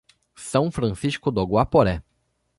São Francisco do Guaporé